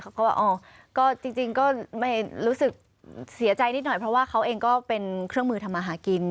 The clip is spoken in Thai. เขาก็ว่าอ๋อก็จริงก็ไม่รู้สึกเสียใจนิดหน่อยเพราะว่าเขาเองก็เป็นเครื่องมือทำมาหากิน